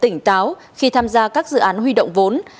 tỉnh táo khi tham gia các dự án huy động vốn